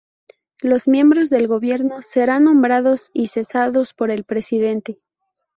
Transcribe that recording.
Los miembros del Gobierno serán nombrados y cesados por el presidente.